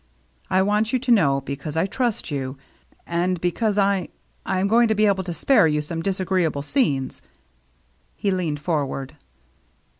I want you to know, because I trust you; and because I — I'm going to be able to spare you some disagree able scenes." He leaned forward.